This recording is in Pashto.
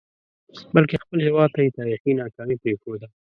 بلکې خپل هیواد ته یې تاریخي ناکامي پرېښوده.